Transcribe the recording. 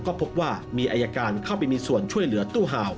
ก็พบว่ามีอายการเข้าไปมีส่วนช่วยเหลือตู้ห่าว